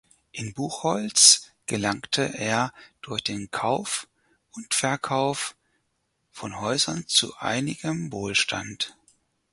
In Buchholz gelangte er durch den Kauf und Verkauf von Häusern zu einigem Wohlstand.